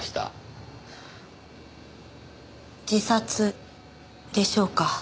自殺でしょうか？